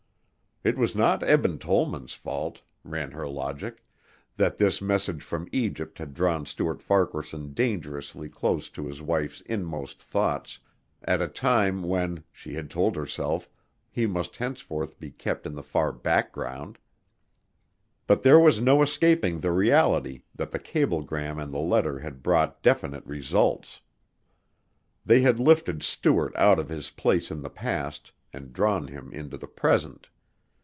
It was not Eben Tollman's fault ran her logic that this message from Egypt had drawn Stuart Farquaharson dangerously close to his wife's inmost thoughts at a time when, she had told herself, he must henceforth be kept in the far background. But there was no escaping the reality that the cablegram and the letter had brought definite results. They had lifted Stuart out of his place in the past and drawn him into the present.